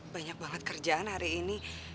banyak banget kerjaan hari ini